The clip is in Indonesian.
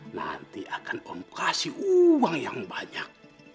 nanti akan om kasih uang yang banyak